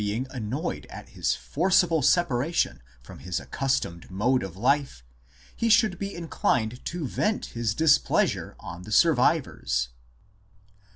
MOURNING AND BURIAL CUSTOMS 153 annoyed at his forcible separation from his accustomed mode of life, he should be inclined to vent his displeasure on the survivors.